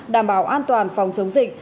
đảm bảo an toàn phòng chống dịch